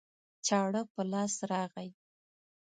چاړه په لاس راغی